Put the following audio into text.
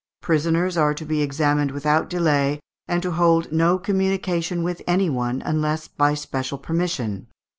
Prisoners are to be examined without delay, and to hold no communication with any one, unless by special permission.